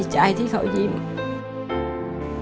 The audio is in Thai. มันต้องการแล้วก็หายให้มัน